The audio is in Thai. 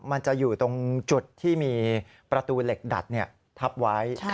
มันจะอยู่ตรงจุดที่มีประตูเหล็กดัดทับไว้